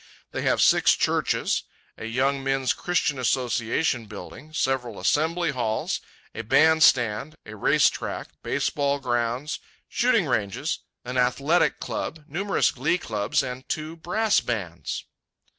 They have six churches, a Young Men's Christian Association building, several assembly halls, a band stand, a race track, baseball grounds, shooting ranges, an athletic club, numerous glee clubs, and two brass bands.